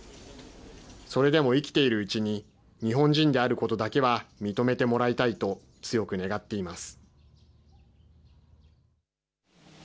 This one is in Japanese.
それでも生きているうちに、日本人であることだけは認めてもらいたいと、強く願っています。